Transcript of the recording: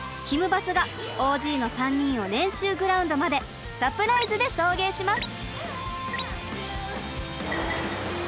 バスがＯＧの３人を練習グラウンドまでサプライズで送迎します！